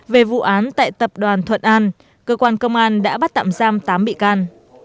về vụ án tại tập đoàn thuận an